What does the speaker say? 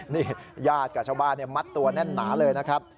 นี่ญาติกับชาวบ้านมัดตัวแน่นหนาเลยนะครับ